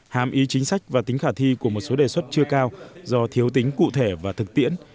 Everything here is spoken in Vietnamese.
hàm ý chính sách và tính khả thi của một số đề xuất chưa cao do thiếu tính cụ thể và thực tiễn